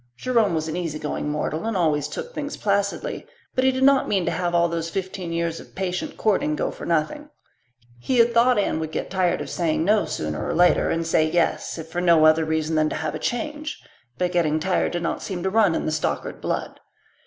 Jerome was an easy going mortal and always took things placidly, but he did not mean to have all those fifteen years of patient courting go for nothing He had thought Anne would get tired of saying no, sooner or later, and say yes, if for no other reason than to have a change; but getting tired did not seem to run in the Stockard blood.